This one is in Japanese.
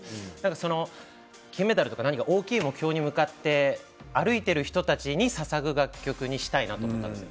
その金メダルとか大きい目標に向かって歩いている人たちにささぐ楽曲にしたいなと思ったんです。